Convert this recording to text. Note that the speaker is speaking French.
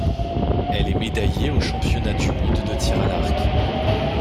Elle est médaillée aux championnats du monde de tir à l'arc.